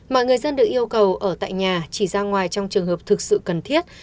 mọi người dân được yêu cầu ở tại nhà chỉ ra ngoài trong trường hợp thực sự cần thiết